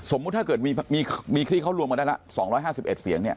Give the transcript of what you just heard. สมมุติถ้าเกิดมีคลีเขารวมมาได้ล่ะ๒๕๑เสียง